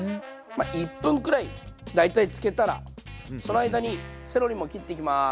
まあ１分くらい大体つけたらその間にセロリも切っていきます。